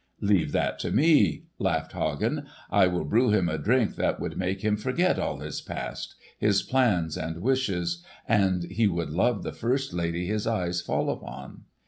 "Leave that to me," laughed Hagen. "I would brew him a drink that would make him forget all his past—his plans and wishes—and he would love the first lady his eyes fell upon."